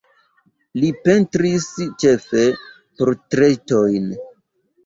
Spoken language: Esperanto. Li pentris ĉefe portretojn.